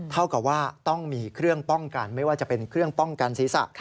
เท่ากับว่าต้องมีเครื่องป้องกันไม่ว่าจะเป็นเครื่องป้องกันศีรษะ